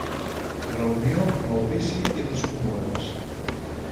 Reunió, Maurici i les Comores.